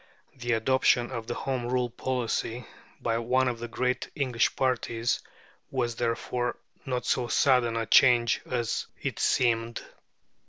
The adoption of a Home Rule policy by one of the great English parties was, therefore, not so sudden a change as it seemed.